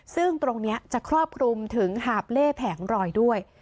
ซึ่งตรงนี้จะครอบคลุมถึงหาบเล่แผงรอยด้วย